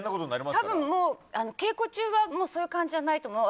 多分、稽古中はそういう感じじゃないと思う。